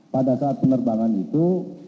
pada saat penerbangan itu